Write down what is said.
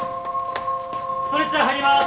ストレッチャー入ります！